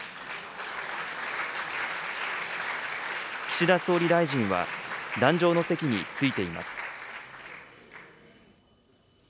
岸田総理大臣は、壇上の席に着いています。